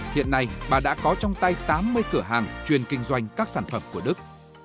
hiện nay bà đã có trong tay tám mươi cửa hàng chuyên kinh doanh các sản phẩm của đức